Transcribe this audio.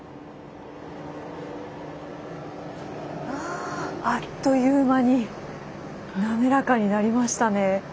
ああっという間に滑らかになりましたね。